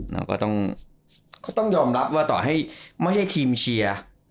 เราก็ต้องยอมรับว่าต่อให้ไม่ให้ทีมเชียร์